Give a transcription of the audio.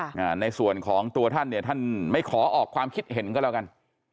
อ่าในส่วนของตัวท่านเนี่ยท่านไม่ขอออกความคิดเห็นก็แล้วกัน